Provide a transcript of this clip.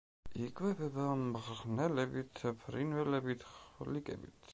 იკვებება მღრღნელებით, ფრინველებით, ხვლიკებით.